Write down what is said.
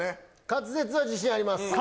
滑舌は自信あります